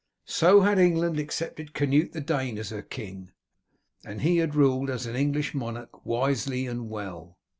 So had England accepted Canute the Dane as her king, and he had ruled as an English monarch wisely and well.